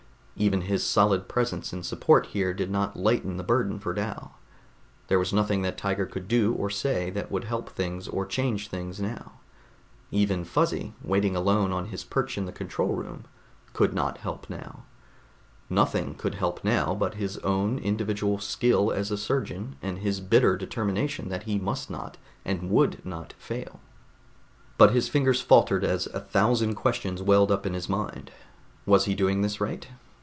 Even his solid presence in support here did not lighten the burden for Dal. There was nothing that Tiger could do or say that would help things or change things now. Even Fuzzy, waiting alone on his perch in the control room, could not help him now. Nothing could help now but his own individual skill as a surgeon, and his bitter determination that he must not and would not fail. But his fingers faltered as a thousand questions welled up in his mind. Was he doing this right?